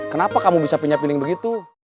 kenapa kamu bisa pinjam piling begitu